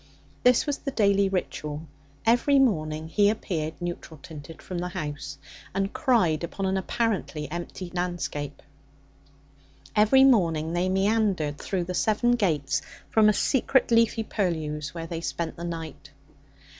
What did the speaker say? This was the daily ritual. Every morning he appeared, neutral tinted, from the house, and cried upon an apparently empty landscape; every morning they meandered through the seven gates from the secret leafy purlieus where they spent the night.